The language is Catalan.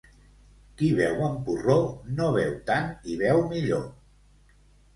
Qui beu amb porró no beu tant i beu millor.